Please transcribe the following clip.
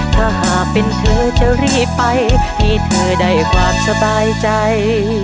ถ้าหากเป็นเธอจะรีบไปให้เธอได้ความสบายใจ